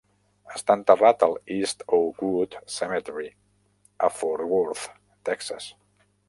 Està enterrat al East Oakwood Cemetery, a Forth Worth, Texas.